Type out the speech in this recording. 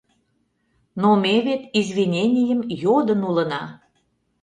Но ме вет извиненийым йодын улына.